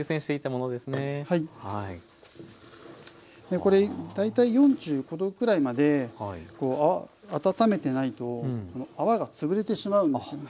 これ大体４５℃くらいまで温めてないと泡が潰れてしまうんですよね。